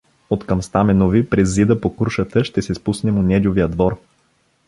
— Откъм Стаменови през зида по крушата ще се спуснем у Недювия двор.